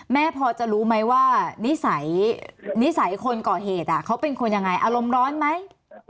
แม่พอจะรู้ไหมว่านิสนิสัยคนก่อเหตุเขาเป็นคนยังไงอารมณ์ร้อนไหม